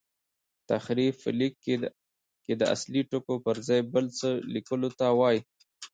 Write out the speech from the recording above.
تحریف په لیک کښي د اصلي ټکو پر ځای بل څه لیکلو ته وايي.